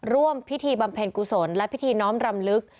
ร่วมพิธีบำเพ็ญกุศลและพิธีน้อมรำลึก